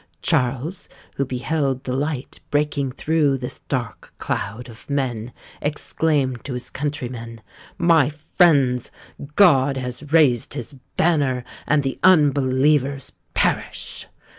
Charles, who beheld the light breaking through this dark cloud of men, exclaimed to his countrymen, "My friends, God has raised his banner, and the unbelievers perish!"